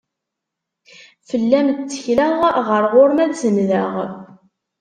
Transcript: Fell-am ttekleɣ, ɣer ɣur-m ad sendeɣ.